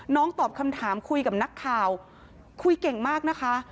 ตอบคำถามคุยกับนักข่าวคุยเก่งมากนะคะ